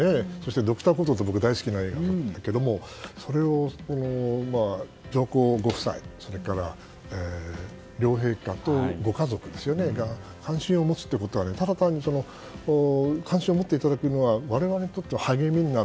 「Ｄｒ．コトー診療所」も大好きな映画なんだけどそれを上皇ご夫妻そして両陛下とご家族が関心を持つということはただ単に関心を持っていただくのは我々にとっては励みになる。